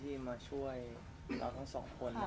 ที่มาช่วยเราทั้งสองคน